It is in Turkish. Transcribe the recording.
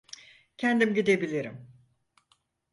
Kendim gidebilirim.